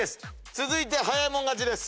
続いては早いもん勝ちです。